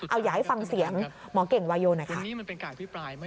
เอาอย่าให้ฟังเสียงหมอเก่งวายโยนะครับ